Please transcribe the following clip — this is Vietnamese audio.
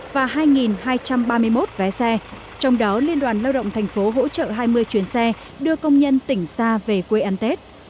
và hai hai trăm ba mươi một vé xe trong đó liên đoàn lao động tp hỗ trợ hai mươi chuyến xe đưa công nhân tỉnh xa về quê ăn tết